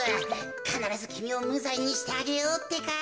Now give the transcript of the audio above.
かならずきみをむざいにしてあげようってか。